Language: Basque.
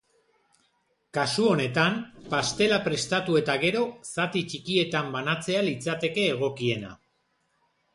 Kasu honetan, pastela prestatu eta gero, zati txikietan banatzea litzateke egokiena.